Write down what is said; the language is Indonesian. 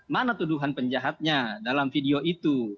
mana tuduhan penjahatnya dalam video itu